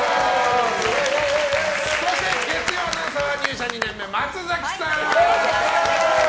そして月曜アナウンサー入社２年目松崎さん！